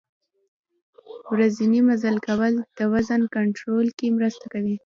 ورځنی مزل کول د وزن کنترول کې مرسته کوي.